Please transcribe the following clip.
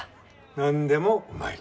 何でもうまい。